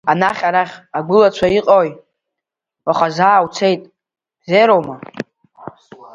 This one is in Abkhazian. Анахь-арахь агәылацәа Иҟои, уаха заа уцоит, бзиароума?